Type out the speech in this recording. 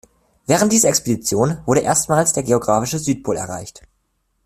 Während dieser Expedition wurde erstmals der geographische Südpol erreicht.